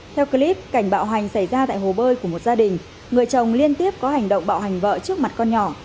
theo clip cảnh bạo hành xảy ra tại hồ bơi của một gia đình người chồng liên tiếp có hành động bạo hành vợ trước mặt con nhỏ